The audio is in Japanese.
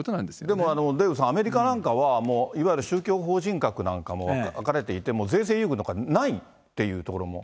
でもデーブさん、アメリカなんかはもういわゆる宗教法人格なんかも書かれていても、税制優遇とかないっていうところも。